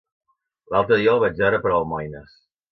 L'altre dia el vaig veure per Almoines.